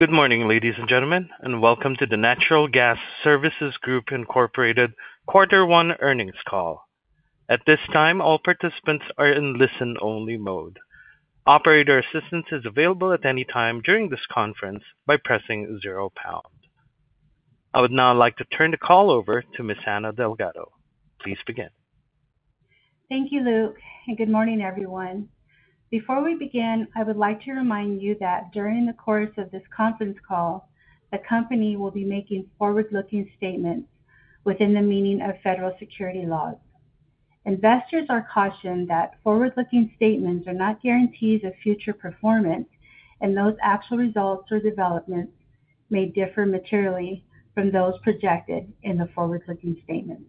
Good morning, ladies and gentlemen, and welcome to the Natural Gas Services Group Incorporated Q1 earnings call. At this time, all participants are in listen-only mode. Operator assistance is available at any time during this conference by pressing zero pound. I would now like to turn the call over to Miss Anna Delgado. Please begin. Thank you, Luke, and good morning, everyone. Before we begin, I would like to remind you that during the course of this conference call, the company will be making forward-looking statements within the meaning of federal securities laws. Investors are cautioned that forward-looking statements are not guarantees of future performance, and those actual results or developments may differ materially from those projected in the forward-looking statements.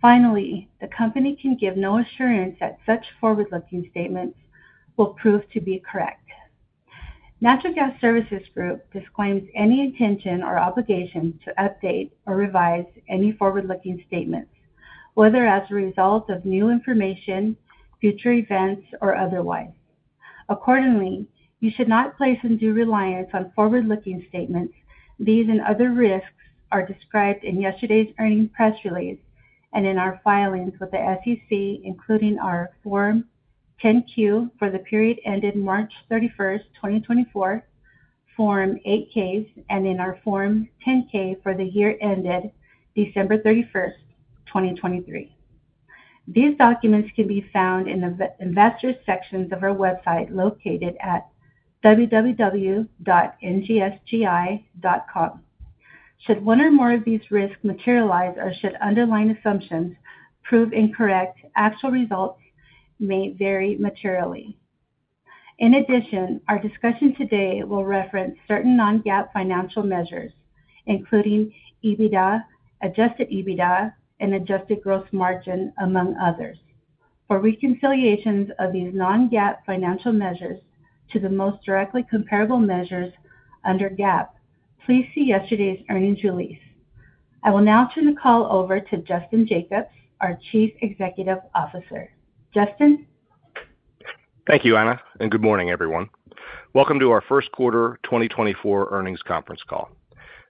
Finally, the company can give no assurance that such forward-looking statements will prove to be correct. Natural Gas Services Group disclaims any intention or obligation to update or revise any forward-looking statements, whether as a result of new information, future events, or otherwise. Accordingly, you should not place undue reliance on forward-looking statements. These and other risks are described in yesterday's earnings press release and in our filings with the SEC, including our Form 10-Q for the period ended March 31, 2024, Form 8-Ks, and in our Form 10-K for the year ended December 31, 2023. These documents can be found in the investor sections of our website, located at www.ngsgi.com. Should one or more of these risks materialize or should underlying assumptions prove incorrect, actual results may vary materially. In addition, our discussion today will reference certain non-GAAP financial measures, including EBITDA, Adjusted EBITDA, and Adjusted Gross Margin, among others. For reconciliations of these non-GAAP financial measures to the most directly comparable measures under GAAP, please see yesterday's earnings release. I will now turn the call over to Justin Jacobs, our Chief Executive Officer. Justin? Thank you, Anna, and good morning, everyone. Welcome to our Q1 2024 earnings conference call.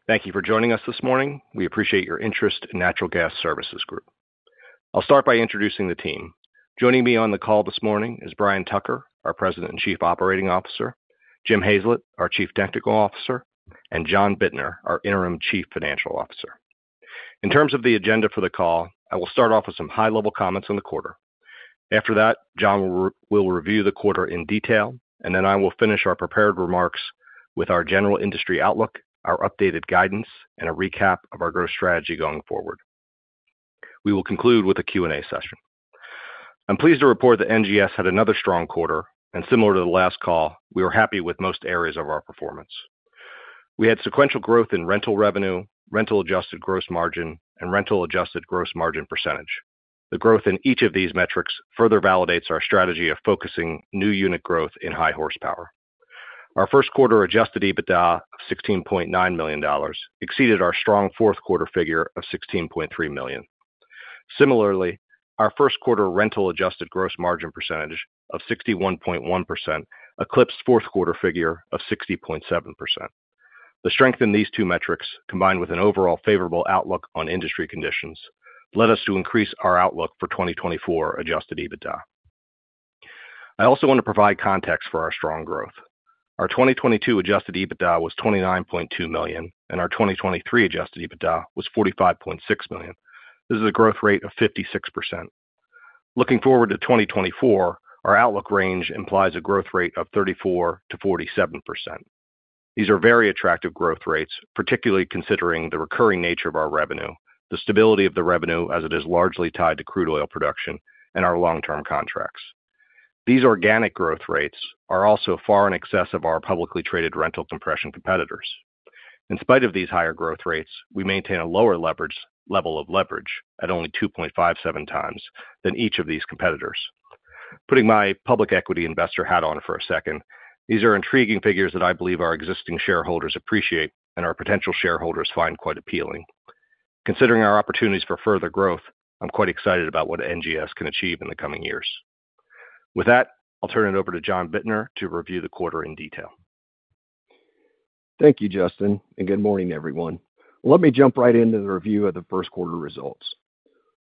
Thank you for joining us this morning. We appreciate your interest in Natural Gas Services Group. I'll start by introducing the team. Joining me on the call this morning is Brian Tucker, our President and Chief Operating Officer, Jim Hazlett, our Chief Technical Officer, and John Bittner, our interim Chief Financial Officer. In terms of the agenda for the call, I will start off with some high-level comments on the quarter. After that, John will review the quarter in detail, and then I will finish our prepared remarks with our general industry outlook, our updated guidance, and a recap of our growth strategy going forward. We will conclude with a Q&A session. I'm pleased to report that NGS had another strong quarter, and similar to the last call, we were happy with most areas of our performance. We had sequential growth in rental revenue, Rental Adjusted Gross Margin, and Rental Adjusted Gross Margin percentage. The growth in each of these metrics further validates our strategy of focusing new unit growth in high horsepower. Our Q1 Adjusted EBITDA, $16.9 million, exceeded our strong Q4 figure of $16.3 million. Similarly, our Q1 Rental Adjusted Gross Margin percentage of 61.1%, eclipsed Q4 figure of 60.7%. The strength in these two metrics, combined with an overall favorable outlook on industry conditions, led us to increase our outlook for 2024 Adjusted EBITDA. I also want to provide context for our strong growth. Our 2022 Adjusted EBITDA was $29.2 million, and our 2023 Adjusted EBITDA was $45.6 million. This is a growth rate of 56%. Looking forward to 2024, our outlook range implies a growth rate of 34%-47%. These are very attractive growth rates, particularly considering the recurring nature of our revenue, the stability of the revenue as it is largely tied to crude oil production, and our long-term contracts. These organic growth rates are also far in excess of our publicly traded rental compression competitors. In spite of these higher growth rates, we maintain a lower leverage level of leverage at only 2.57x than each of these competitors. Putting my public equity investor hat on for a second, these are intriguing figures that I believe our existing shareholders appreciate and our potential shareholders find quite appealing. Considering our opportunities for further growth, I'm quite excited about what NGS can achieve in the coming years. With that, I'll turn it over to John Bittner to review the quarter in detail. Thank you, Justin, and good morning, everyone. Let me jump right into the review of the Q1 results.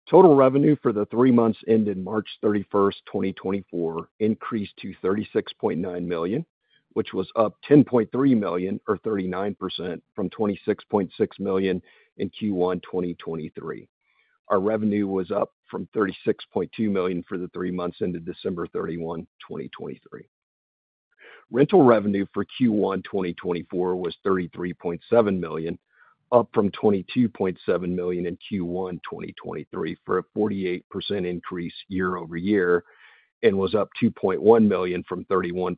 Total revenue for the three months ended March 31, 2024, increased to $36.9 million, which was up $10.3 million or 39% from $26.6 million in Q1 2023. Our revenue was up from $36.2 million for the three months ended December 31, 2023. Rental revenue for Q1 2024 was $33.7 million, up from $22.7 million in Q1 2023, for a 48% increase year-over-year, and was up $2.1 million from $31.6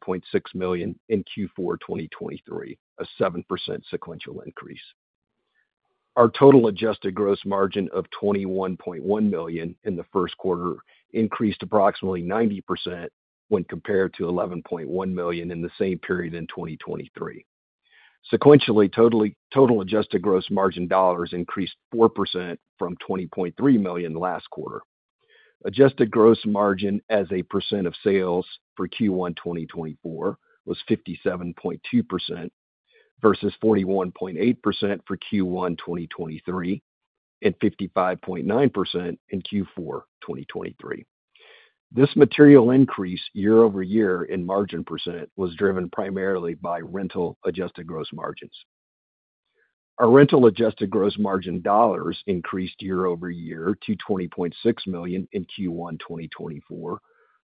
million in Q4 2023, a 7% sequential increase. Our Total Adjusted Gross Margin of $21.1 million in the Q1 increased approximately 90% when compared to $11.1 million in the same period in 2023. Sequentially, Total Adjusted Gross Margin dollars increased 4% from $20.3 million last quarter. Adjusted Gross Margin as a percent of sales for Q1 2024 was 57.2%, versus 41.8% for Q1 2023, and 55.9% in Q4 2023. This material increase year-over-year in margin percent was driven primarily by Rental Adjusted Gross Margins. Our Rental Adjusted Gross Margin dollars increased year-over-year to $20.6 million in Q1 2024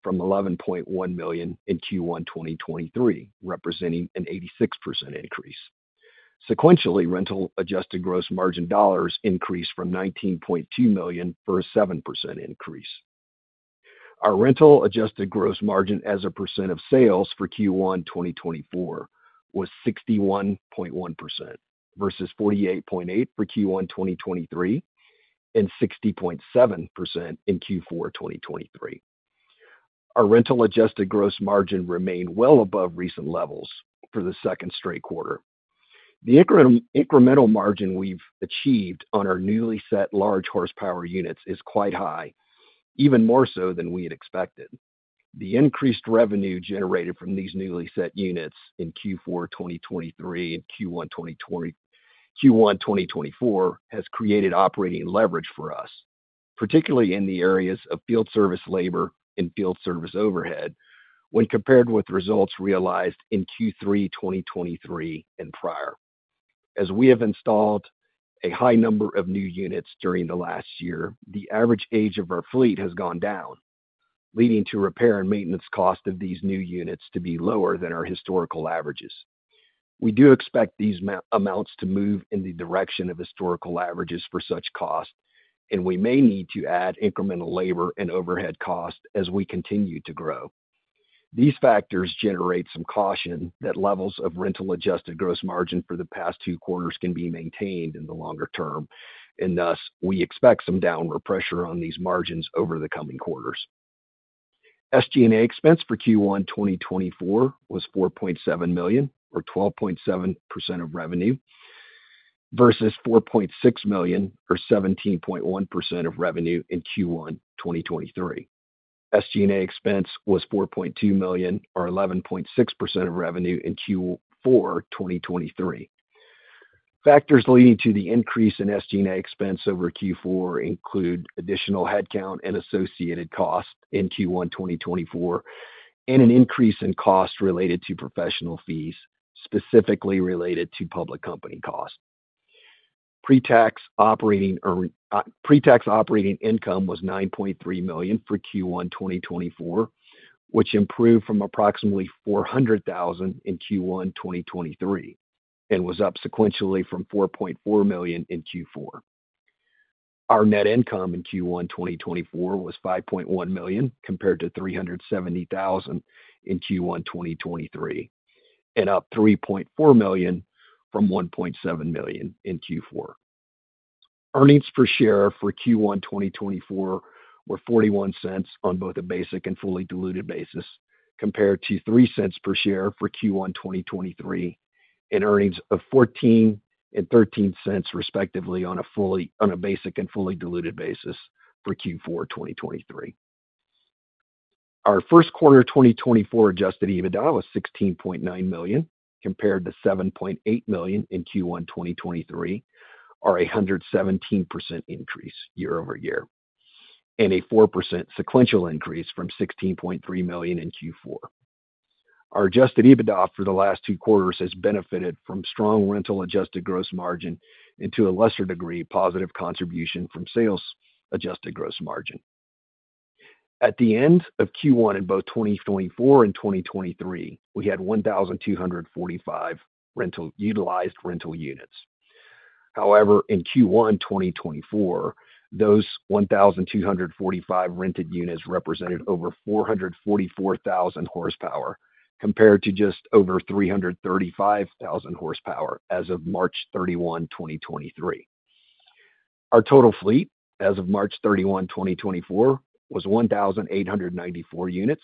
from $11.1 million in Q1 2023, representing an 86% increase. Sequentially, Rental Adjusted Gross Margin dollars increased from $19.2 million for a 7% increase. Our Rental Adjusted Gross Margin as a percent of sales for Q1 2024 was 61.1% versus 48.8% for Q1 2023, and 60.7% in Q4 2023. Our Rental Adjusted Gross Margin remained well above recent levels for the second straight quarter. The incremental margin we've achieved on our newly set large horsepower units is quite high, even more so than we had expected. The increased revenue generated from these newly set units in Q4 2023 and Q1 2024 has created operating leverage for us, particularly in the areas of field service labor and field service overhead, when compared with results realized in Q3 2023 and prior. As we have installed a high number of new units during the last year, the average age of our fleet has gone down, leading to repair and maintenance cost of these new units to be lower than our historical averages. We do expect these amounts to move in the direction of historical averages for such costs, and we may need to add incremental labor and overhead costs as we continue to grow. These factors generate some caution that levels of Rental Adjusted Gross Margin for the past two quarters can be maintained in the longer term, and thus, we expect some downward pressure on these margins over the coming quarters. SG&A expense for Q1 2024 was $4.7 million, or 12.7% of revenue, versus $4.6 million, or 17.1% of revenue in Q1 2023. SG&A expense was $4.2 million, or 11.6% of revenue in Q4 2023. Factors leading to the increase in SG&A expense over Q4 include additional headcount and associated costs in Q1 2024, and an increase in costs related to professional fees, specifically related to public company costs. Pre-tax operating, or, pre-tax operating income was $9.3 million for Q1 2024, which improved from approximately $400,000 in Q1 2023, and was up sequentially from $4.4 million in Q4. Our net income in Q1 2024 was $5.1 million, compared to $370,000 in Q1 2023, and up $3.4 million from $1.7 million in Q4. Earnings per share for Q1 2024 were $0.41 on both a basic and fully diluted basis, compared to $0.03 per share for Q1 2023, and earnings of $0.14 and $0.13, respectively, on a basic and fully diluted basis for Q4 2023. Our Q1 2024 Adjusted EBITDA was $16.9 million, compared to $7.8 million in Q1 2023, or a 117% increase year-over-year, and a 4% sequential increase from $16.3 million in Q4. Our Adjusted EBITDA for the last two quarters has benefited from strong Rental Adjusted Gross Margin and, to a lesser degree, positive contribution from Sales Adjusted Gross Margin. At the end of Q1, in both 2024 and 2023, we had 1,245 utilized rental units. However, in Q1 2024, those 1,245 rented units represented over 444,000 horsepower, compared to just over 335,000 horsepower as of March 31, 2023. Our total fleet as of March 31, 2024, was 1,894 units,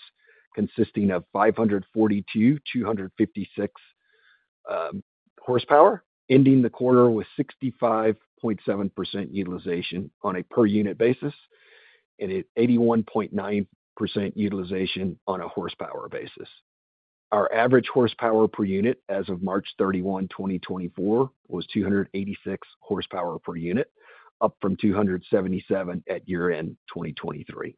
consisting of 542,256 horsepower, ending the quarter with 65.7% utilization on a per unit basis and at 81.9% utilization on a horsepower basis. Our average horsepower per unit as of March 31, 2024, was 286 horsepower per unit, up from 277 at year-end 2023.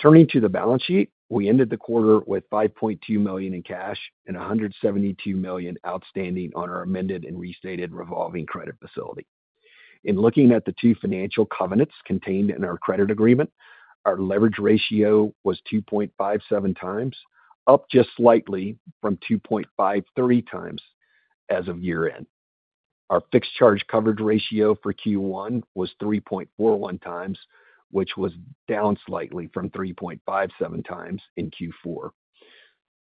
Turning to the balance sheet, we ended the quarter with $5.2 million in cash and $172 million outstanding on our amended and restated revolving credit facility. In looking at the two financial covenants contained in our credit agreement, our leverage ratio was 2.57x, up just slightly from 2.53x as of year-end. Our fixed charge coverage ratio for Q1 was 3.41x, which was down slightly from 3.57x in Q4.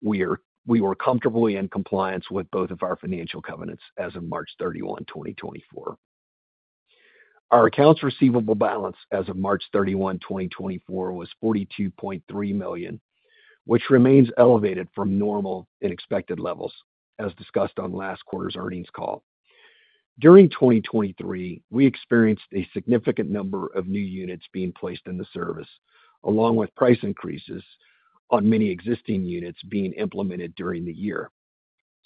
We were comfortably in compliance with both of our financial covenants as of March 31, 2024. Our accounts receivable balance as of March 31, 2024, was $42.3 million, which remains elevated from normal and expected levels, as discussed on last quarter's earnings call. During 2023, we experienced a significant number of new units being placed in the service, along with price increases on many existing units being implemented during the year.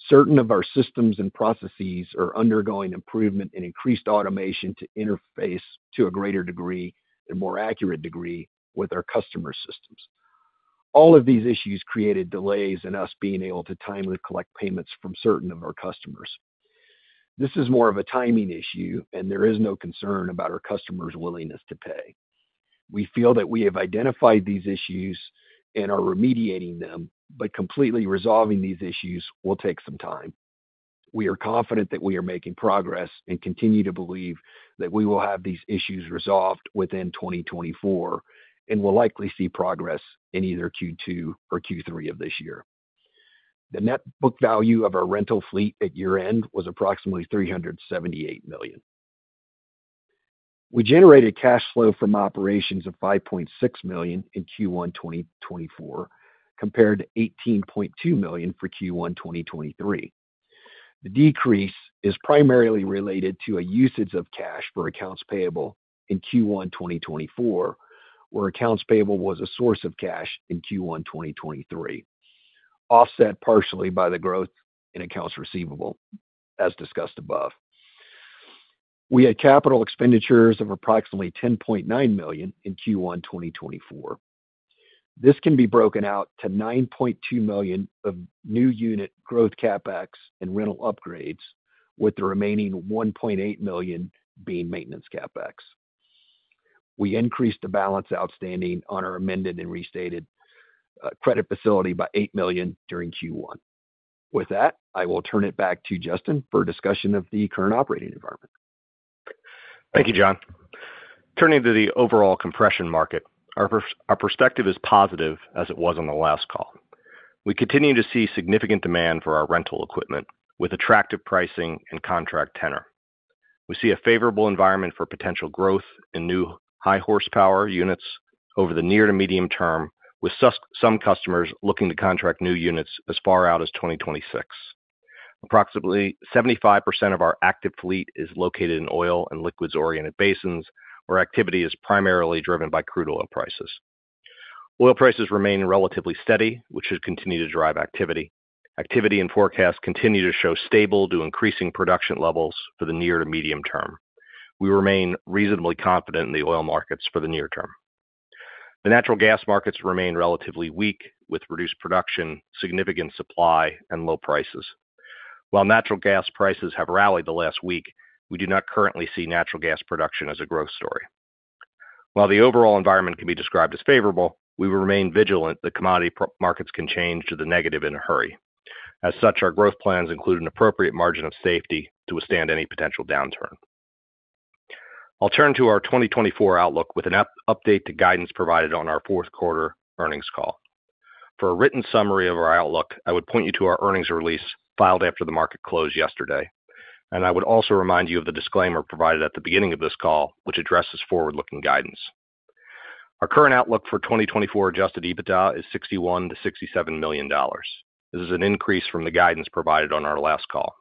Certain of our systems and processes are undergoing improvement and increased automation to interface to a greater degree and more accurate degree with our customer systems. All of these issues created delays in us being able to timely collect payments from certain of our customers. This is more of a timing issue, and there is no concern about our customers' willingness to pay. We feel that we have identified these issues and are remediating them, but completely resolving these issues will take some time. We are confident that we are making progress and continue to believe that we will have these issues resolved within 2024, and will likely see progress in either Q2 or Q3 of this year. The net book value of our rental fleet at year-end was approximately $378 million. We generated cash flow from operations of $5.6 million in Q1 2024, compared to $18.2 million for Q1 2023. The decrease is primarily related to a usage of cash for accounts payable in Q1 2024, where accounts payable was a source of cash in Q1 2023, offset partially by the growth in accounts receivable, as discussed above. We had capital expenditures of approximately $10.9 million in Q1 2024. This can be broken out to $9.2 million of new unit growth CapEx and rental upgrades, with the remaining $1.8 million being maintenance CapEx. We increased the balance outstanding on our amended and restated credit facility by $8 million during Q1. With that, I will turn it back to Justin for a discussion of the current operating environment. Thank you, John. Turning to the overall compression market, our our perspective is positive as it was on the last call. We continue to see significant demand for our rental equipment with attractive pricing and contract tenor. We see a favorable environment for potential growth in new high horsepower units over the near to medium term, with some customers looking to contract new units as far out as 2026. Approximately 75% of our active fleet is located in oil and liquids-oriented basins, where activity is primarily driven by crude oil prices. Oil prices remain relatively steady, which should continue to drive activity. Activity and forecasts continue to show stable to increasing production levels for the near to medium term. We remain reasonably confident in the oil markets for the near term. The natural gas markets remain relatively weak, with reduced production, significant supply, and low prices. While natural gas prices have rallied the last week, we do not currently see natural gas production as a growth story. While the overall environment can be described as favorable, we will remain vigilant that commodity price markets can change to the negative in a hurry. As such, our growth plans include an appropriate margin of safety to withstand any potential downturn. I'll turn to our 2024 outlook with an update to guidance provided on our Q4 earnings call. For a written summary of our outlook, I would point you to our earnings release filed after the market closed yesterday. I would also remind you of the disclaimer provided at the beginning of this call, which addresses forward-looking guidance. Our current outlook for 2024 Adjusted EBITDA is $61 million-$67 million. This is an increase from the guidance provided on our last call.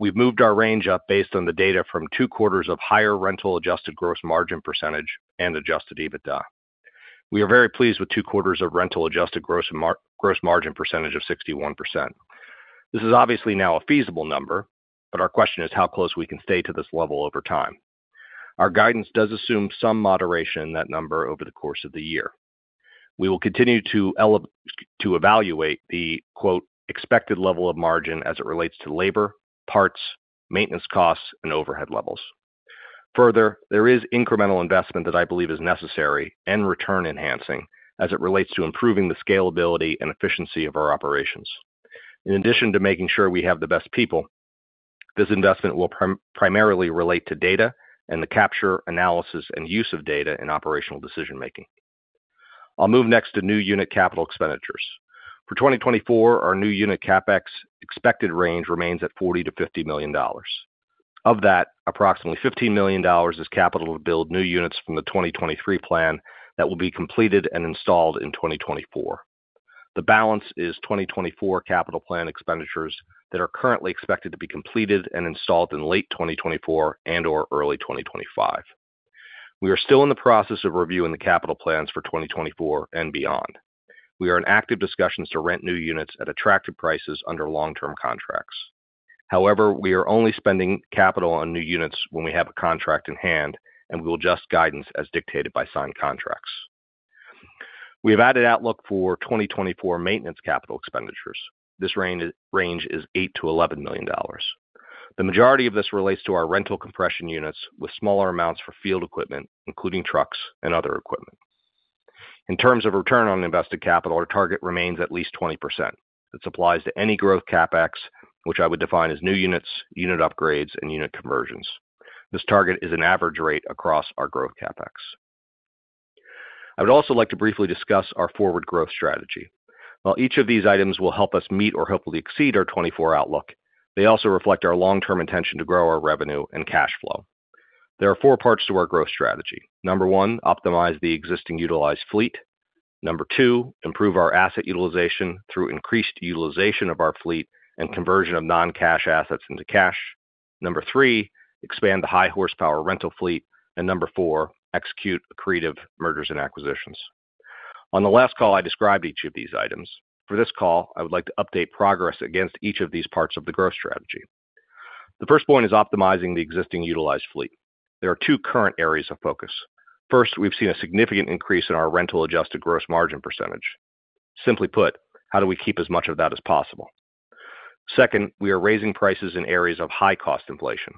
We've moved our range up based on the data from two quarters of higher Rental Adjusted Gross Margin percentage and Adjusted EBITDA. We are very pleased with two quarters of Rental Adjusted Gross Margin percentage of 61%. This is obviously now a feasible number, but our question is how close we can stay to this level over time. Our guidance does assume some moderation in that number over the course of the year. We will continue to evaluate the quote, "Expected level of margin as it relates to labor, parts, maintenance costs, and overhead levels." Further, there is incremental investment that I believe is necessary and return-enhancing as it relates to improving the scalability and efficiency of our operations. In addition to making sure we have the best people, this investment will primarily relate to data and the capture, analysis, and use of data in operational decision-making. I'll move next to new unit capital expenditures. For 2024, our new unit CapEx expected range remains at $40 million-$50 million. Of that, approximately $15 million is capital to build new units from the 2023 plan that will be completed and installed in 2024. The balance is 2024 capital plan expenditures that are currently expected to be completed and installed in late 2024 and/or early 2025. We are still in the process of reviewing the capital plans for 2024 and beyond. We are in active discussions to rent new units at attractive prices under long-term contracts. However, we are only spending capital on new units when we have a contract in hand, and we will adjust guidance as dictated by signed contracts. We have added outlook for 2024 maintenance capital expenditures. This range is $8 million-$11 million. The majority of this relates to our rental compression units, with smaller amounts for field equipment, including trucks and other equipment. In terms of return on invested capital, our target remains at least 20%. This applies to any growth CapEx, which I would define as new units, unit upgrades, and unit conversions. This target is an average rate across our growth CapEx. I would also like to briefly discuss our forward growth strategy. While each of these items will help us meet or hopefully exceed our 2024 outlook, they also reflect our long-term intention to grow our revenue and cash flow. There are four parts to our growth strategy. 1, optimize the existing utilized fleet. 2, improve our asset utilization through increased utilization of our fleet and conversion of non-cash assets into cash. 3, expand the high horsepower rental fleet. And 4, execute accretive mergers and acquisitions. On the last call, I described each of these items. For this call, I would like to update progress against each of these parts of the growth strategy. The first point is optimizing the existing utilized fleet. There are two current areas of focus. First, we've seen a significant increase in our Rental Adjusted Gross Margin percentage. Simply put, how do we keep as much of that as possible? Second, we are raising prices in areas of high cost inflation.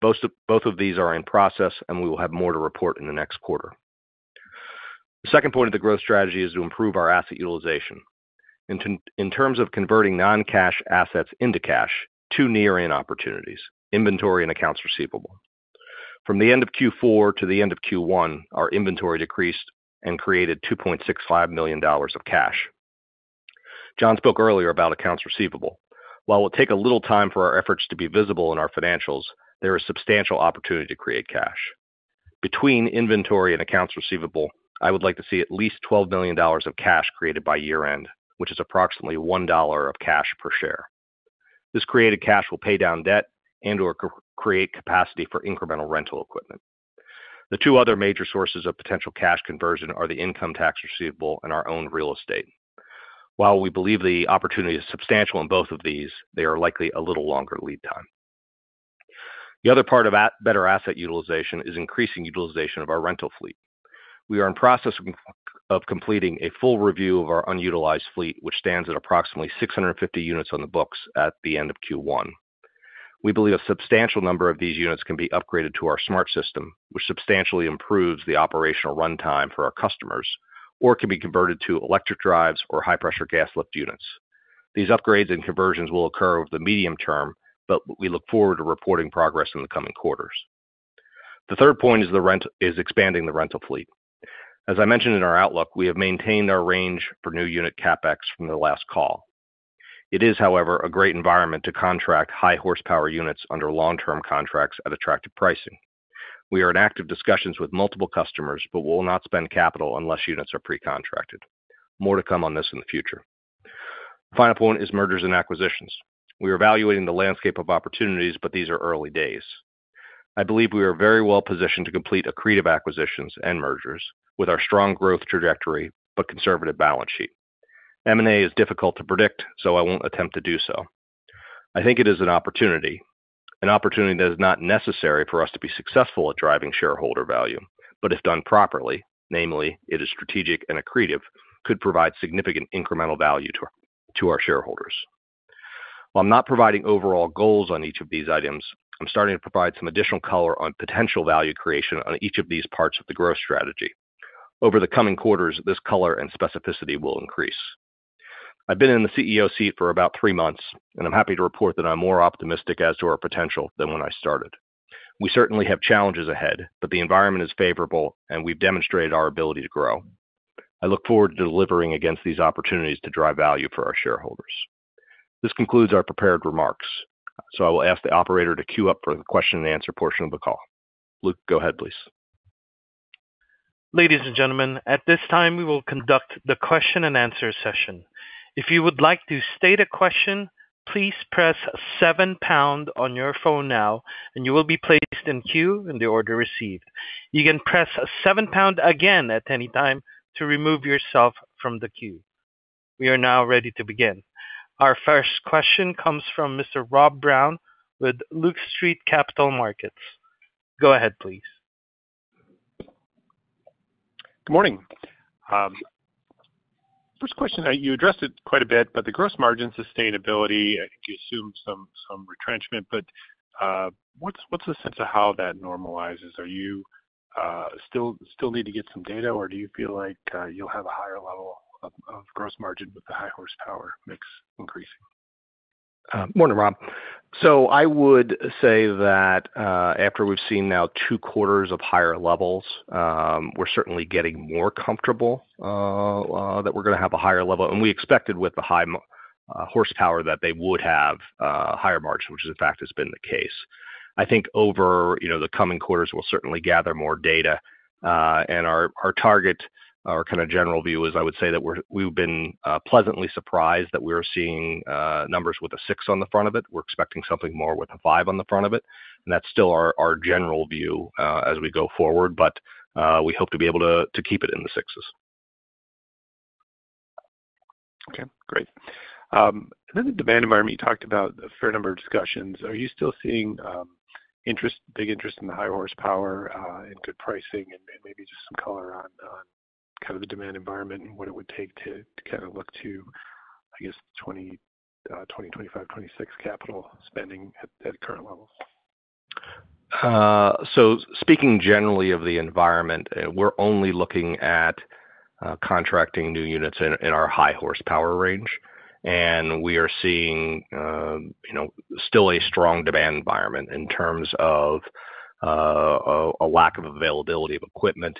Both, both of these are in process, and we will have more to report in the next quarter. The second point of the growth strategy is to improve our asset utilization. In terms of converting non-cash assets into cash, two near-in opportunities: inventory and accounts receivable. From the end of Q4 to the end of Q1, our inventory decreased and created $2.65 million of cash. John spoke earlier about accounts receivable. While it will take a little time for our efforts to be visible in our financials, there is substantial opportunity to create cash. Between inventory and accounts receivable, I would like to see at least $12 million of cash created by year-end, which is approximately $1 of cash per share. This created cash will pay down debt and/or create capacity for incremental rental equipment. The two other major sources of potential cash conversion are the income tax receivable and our own real estate. While we believe the opportunity is substantial in both of these, they are likely a little longer lead time. The other part of better asset utilization is increasing utilization of our rental fleet. We are in process of completing a full review of our unutilized fleet, which stands at approximately 650 units on the books at the end of Q1. We believe a substantial number of these units can be upgraded to our smart system, which substantially improves the operational runtime for our customers, or can be converted to electric drives or high-pressure gas lift units. These upgrades and conversions will occur over the medium term, but we look forward to reporting progress in the coming quarters. The third point is expanding the rental fleet. As I mentioned in our outlook, we have maintained our range for new unit CapEx from the last call. It is, however, a great environment to contract high horsepower units under long-term contracts at attractive pricing. We are in active discussions with multiple customers, but we will not spend capital unless units are pre-contracted. More to come on this in the future. Final point is mergers and acquisitions. We are evaluating the landscape of opportunities, but these are early days. I believe we are very well positioned to complete accretive acquisitions and mergers with our strong growth trajectory, but conservative balance sheet. M&A is difficult to predict, so I won't attempt to do so. I think it is an opportunity, an opportunity that is not necessary for us to be successful at driving shareholder value, but if done properly, namely, it is strategic and accretive, could provide significant incremental value to our, to our shareholders. While I'm not providing overall goals on each of these items, I'm starting to provide some additional color on potential value creation on each of these parts of the growth strategy. Over the coming quarters, this color and specificity will increase. I've been in the CEO seat for about three months, and I'm happy to report that I'm more optimistic as to our potential than when I started. We certainly have challenges ahead, but the environment is favorable, and we've demonstrated our ability to grow. I look forward to delivering against these opportunities to drive value for our shareholders. This concludes our prepared remarks, so I will ask the operator to queue up for the question and answer portion of the call. Luke, go ahead, please. Ladies and gentlemen, at this time, we will conduct the question and answer session. If you would like to state a question, please press seven pound on your phone now, and you will be placed in queue in the order received. You can press a seven pound again at any time to remove yourself from the queue. We are now ready to begin. Our first question comes from Mr. Rob Brown with Lake Street Capital Markets. Go ahead, please. Good morning. First question, you addressed it quite a bit, but the gross margin sustainability, I think you assumed some retrenchment, but what's the sense of how that normalizes? Are you still need to get some data, or do you feel like you'll have a higher level of gross margin with the high horsepower mix increasing? Morning, Rob. So I would say that, after we've seen now two quarters of higher levels, we're certainly getting more comfortable that we're gonna have a higher level. And we expected with the high horsepower that they would have higher margins, which, in fact, has been the case. I think over, you know, the coming quarters, we'll certainly gather more data. And our target, our kinda general view is I would say that we've been pleasantly surprised that we're seeing numbers with a six on the front of it. We're expecting something more with a five on the front of it, and that's still our general view as we go forward, but we hope to be able to keep it in the sixes. Okay, great. Then the demand environment, you talked about a fair number of discussions. Are you still seeing interest, big interest in the high horsepower and good pricing and maybe just some color on kind of the demand environment and what it would take to kinda look to, I guess, 2025, 2026 capital spending at current levels? So speaking generally of the environment, we're only looking at contracting new units in our high horsepower range, and we are seeing, you know, still a strong demand environment in terms of a lack of availability of equipment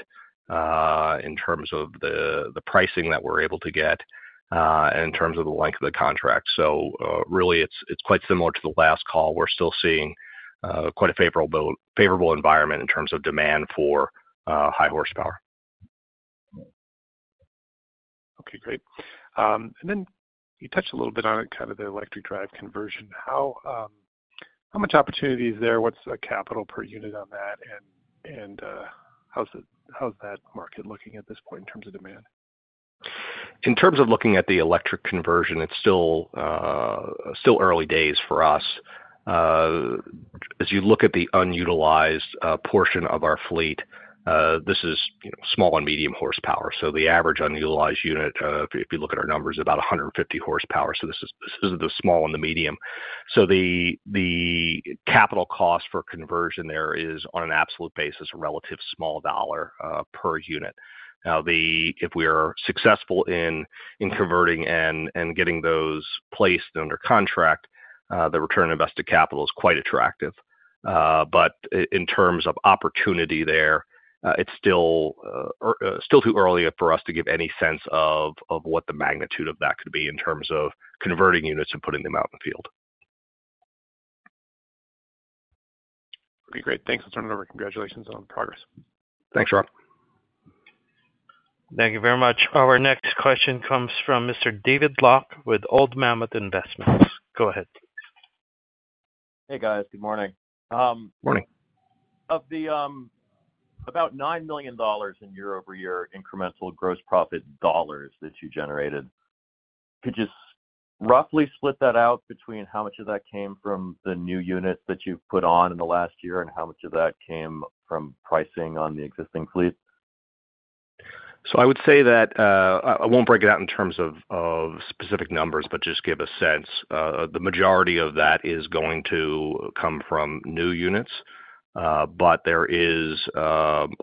in terms of the pricing that we're able to get... in terms of the length of the contract. So really, it's quite similar to the last call. We're still seeing quite a favorable favorable environment in terms of demand for high horsepower. Okay, great. And then you touched a little bit on it, kind of the electric drive conversion. How much opportunity is there? What's the capital per unit on that? And how's that market looking at this point in terms of demand? In terms of looking at the electric conversion, it's still still early days for us. As you look at the unutilized portion of our fleet, this is, you know, small and medium horsepower. So the average unutilized unit, if you look at our numbers, about 150 horsepower, so this is, this is the small and the medium. So the capital cost for conversion there is, on an absolute basis, a relative small dollar per unit. Now, if we are successful in converting and getting those placed under contract, the return on invested capital is quite attractive. But in terms of opportunity there, it's still too early for us to give any sense of what the magnitude of that could be in terms of converting units and putting them out in the field. Okay, great. Thanks, and congratulations on the progress. Thanks, Rob. Thank you very much. Our next question comes from Mr. David Locke with Old Mammoth Investments. Go ahead. Hey, guys. Good morning. Morning. Of the, about $9 million in year-over-year incremental gross profit dollars that you generated, could you roughly split that out between how much of that came from the new units that you've put on in the last year, and how much of that came from pricing on the existing fleet? So I would say that, I won't break it out in terms of specific numbers, but just give a sense. The majority of that is going to come from new units, but there is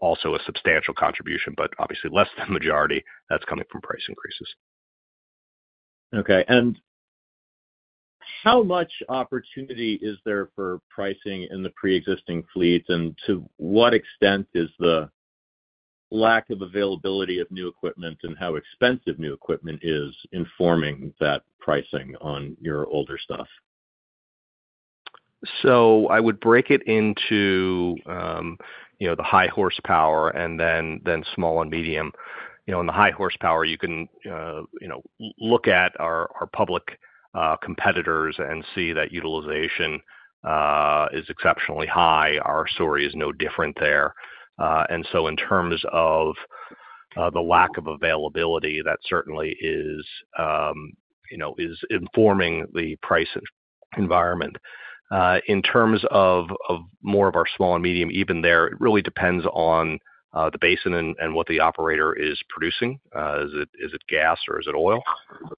also a substantial contribution, but obviously less than majority, that's coming from price increases. Okay, and how much opportunity is there for pricing in the pre-existing fleet? To what extent is the lack of availability of new equipment and how expensive new equipment is informing that pricing on your older stuff? So I would break it into, you know, the high horsepower and then small and medium. You know, in the high horsepower, you can, you know, look at our public competitors and see that utilization is exceptionally high. Our story is no different there. And so in terms of the lack of availability, that certainly is, you know, informing the price environment. In terms of more of our small and medium, even there, it really depends on the basin and what the operator is producing. Is it gas or is it oil?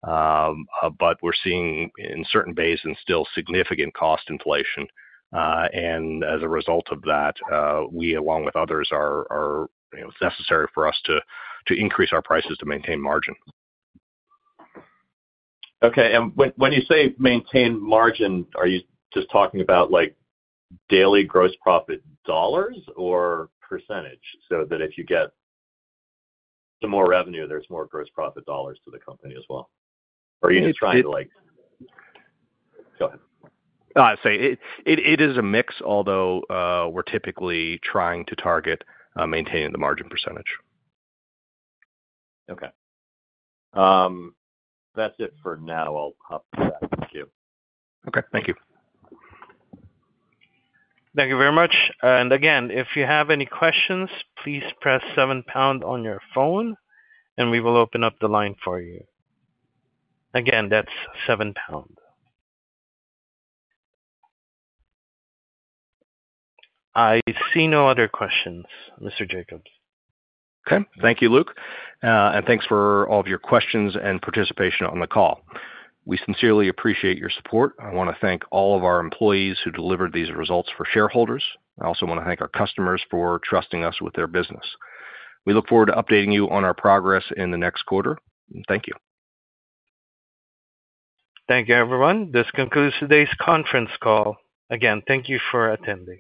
But we're seeing in certain basins still significant cost inflation. And as a result of that, we along with others are, you know, it's necessary for us to increase our prices to maintain margin. Okay, and when you say maintain margin, are you just talking about, like, daily gross profit dollars or percentage? So that if you get the more revenue, there's more gross profit dollars to the company as well? Or are you trying to, like... Go ahead. It is a mix, although, we're typically trying to target maintaining the margin percentage. Okay. That's it for now. I'll hop back to you. Okay, thank you. Thank you very much. And again, if you have any questions, please press 7 pound on your phone, and we will open up the line for you. Again, that's 7 pound. I see no other questions, Mr. Jacobs. Okay. Thank you, Luke, and thanks for all of your questions and participation on the call. We sincerely appreciate your support. I want to thank all of our employees who delivered these results for shareholders. I also want to thank our customers for trusting us with their business. We look forward to updating you on our progress in the next quarter. Thank you. Thank you, everyone. This concludes today's conference call. Again, thank you for attending.